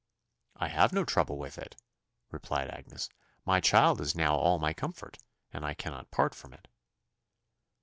"I have no trouble with it," replied Agnes: "my child is now all my comfort, and I cannot part from it."